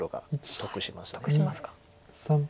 得しますか。